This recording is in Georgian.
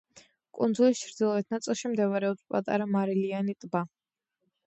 კუნძულის ჩრდილოეთ ნაწილში მდებარეობს პატარა მარილიანი ტბა.